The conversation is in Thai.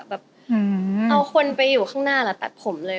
แบบเอาคนไปอยู่ข้างหน้าแล้วตัดผมเลย